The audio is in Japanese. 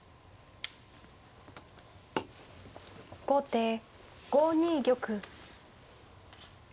後手５二玉。